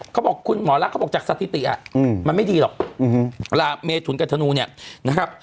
เขาบอกคุณหมอรักเขาบอกจากสถิติมันไม่ดีหรอกลาเมถุนกับธนูเนี่ยนะครับ